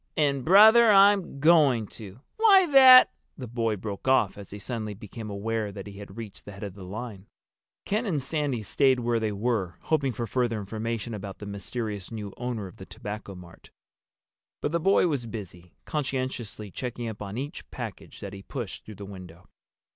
"And, brother, I'm going to! Why that—!" The boy broke off as he suddenly became aware that he had reached the head of the line. Ken and Sandy stayed where they were, hoping for further information about the mysterious new owner of the Tobacco Mart. But the boy was busy, conscientiously checking up on each package that he pushed through the window.